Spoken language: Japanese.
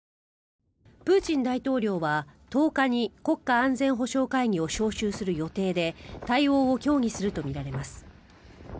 プーチン大統領は１０日に国家安全保障会議を招集する予定で対応を協議するとみられます。